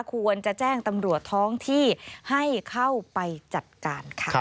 ควรจะแจ้งตำรวจท้องที่ให้เข้าไปจัดการค่ะ